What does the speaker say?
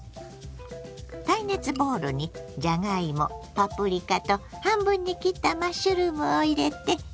耐熱ボウルにじゃがいもパプリカと半分に切ったマッシュルームを入れて。